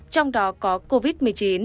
trong đó có covid một mươi chín